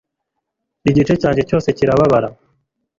igice cyanjye cyose kirababara